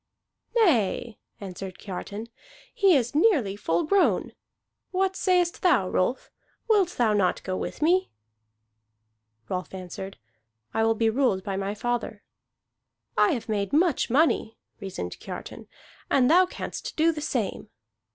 "Nay," answered Kiartan, "he is nearly full grown. What sayest thou, Rolf? Wilt thou not go with me?" Rolf answered: "I will be ruled by my father." "I have made much money," reasoned Kiartan, "and thou canst do the same."